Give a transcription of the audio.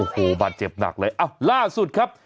โอ้โหบาดเจ็บหนักเลยล่าสุดครับ